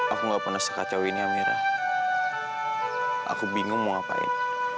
aku nggak pernah sekacau ini amira aku bingung mau ngapain